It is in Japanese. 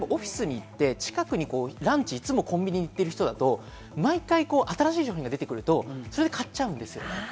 オフィスにいて近くにランチはいつもコンビニ行ってる人だと、毎回新しい商品が出てくると、それで買っちゃうんですよね。